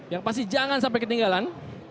yang pasti jangan sampai ketinggalan